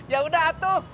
ya udah atuh